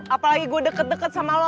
apalagi gue deket deket sama lo